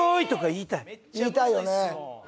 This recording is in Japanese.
言いたいよね